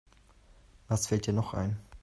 Was fällt dir noch ein?